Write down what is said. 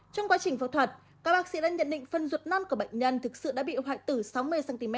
trong quá trình phẫu thuật các bác sĩ đã nhận định phân ruột năn của bệnh nhân thực sự đã bị hoại tử sáu mươi cm